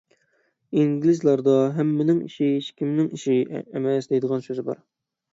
ئىنگلىزلاردا «ھەممىنىڭ ئىشى ھېچكىمنىڭ ئىشى» ئەمەس، دەيدىغان سۆز بار.